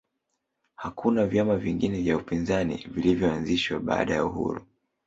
hakuna vyama vingine vya upinzani vilivyoanzishwa baada ya uhuru